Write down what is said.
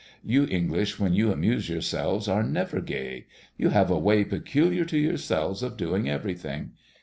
You English when you amuse your selves are never gay. You have a way peculiar to yourselves of doing everything.